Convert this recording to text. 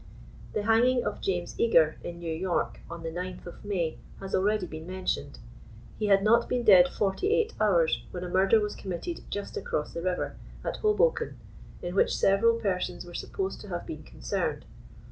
* The hanging of James Eager, in New York, on the 9th of May, has already been mentioned. He had not been dead forty eight hours, when a murder was committed just across the river, at Hoboken, in which several persons were supposed to have been concerned.